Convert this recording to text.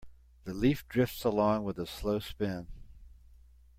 The leaf drifts along with a slow spin.